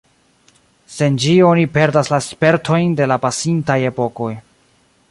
Sen ĝi oni perdas la spertojn de la pasintaj epokoj.